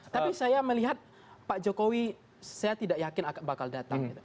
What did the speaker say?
tapi saya melihat pak jokowi saya tidak yakin bakal datang